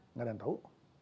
nggak ada yang tahu